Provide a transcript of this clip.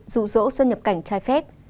rủ rỗ xuân nhập cảnh trái phép